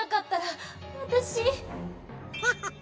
ハハハ。